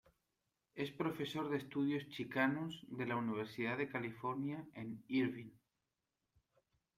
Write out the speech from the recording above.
Es profesor de Estudios Chicanos de la Universidad de California en Irvine.